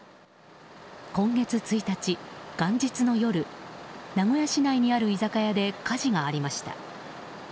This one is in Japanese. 今月１日、元日の夜名古屋市内にある居酒屋で火事がありました。